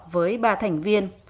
với ba thành viên